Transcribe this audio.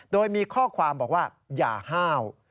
โดยมีข้อความบอกว่าอย่าห้าว